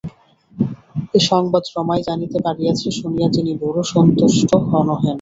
এ সংবাদ রমাই জানিতে পারিয়াছে শুনিয়া তিনি বড় সন্তুষ্ট নহেন।